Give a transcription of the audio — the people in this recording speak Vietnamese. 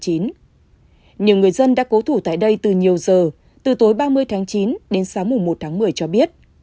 nhiều người dân đã cố thủ tại đây từ nhiều giờ từ tối ba mươi tháng chín đến sáng một tháng một mươi cho biết